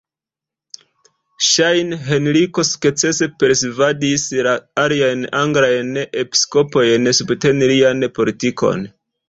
Ŝajne Henriko sukcese persvadis la aliajn anglajn episkopojn subteni lian politikon.